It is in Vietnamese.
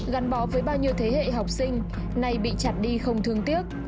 gắn bó với bao nhiêu thế hệ học sinh nay bị chặt đi không thương tiếc